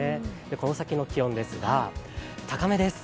この先の気温ですが高めです。